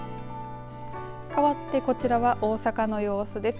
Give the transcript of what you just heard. かわってこちらは大阪の様子です。